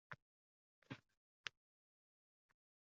Eng muhimi, chetdan bir boq – oʻzing kimsanki samosud qilasan?!